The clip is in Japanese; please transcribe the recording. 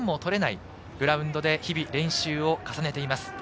そのグラウンドで日々練習を重ねています。